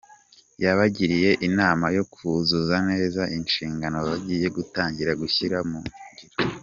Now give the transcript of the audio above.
Yabagiriye inama yo kuzuza neza inshingano bagiye gutangira gushyira mu ngiro.